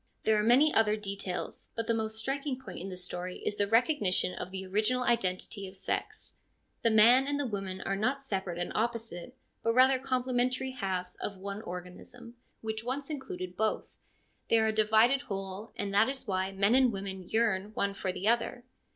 There are many other details, but the most striking point in the story is the recognition of the original identity of sex. The man and the woman are not separate and opposite, but rather complementary halves of one organism, which once included both ; they are a divided whole, and that is why men and women yearn one for the other.